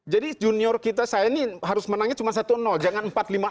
jadi junior kita saya ini harus menangnya cuma satu jangan empat lima